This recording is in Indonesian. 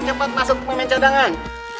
cepat masuk ke memen cadangan